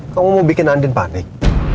kamu mau bikin andin panik